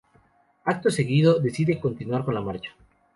Acto seguido decide continuar con la marcha.